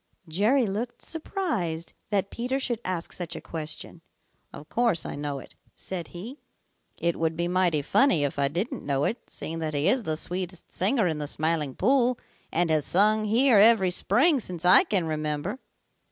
Jerry looked surprised that Peter should ask such a question. "Of course I know it," said he. "It would be mighty funny if I didn't know it, seeing that he is the sweetest singer in the Smiling Pool and has sung here every spring since I can remember."